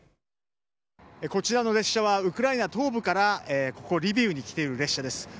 こちらの列車は、ウクライナ東部からここリビウに来ている列車です。